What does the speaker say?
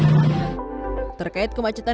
terkait kemacetan yang terjadi di kt subroto